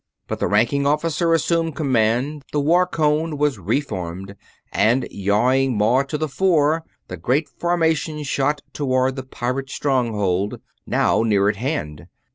But the ranking officer assumed command, the war cone was re formed, and, yawning maw to the fore, the great formation shot toward the pirate stronghold, now near at hand.